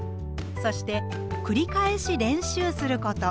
そしてくり返し練習すること。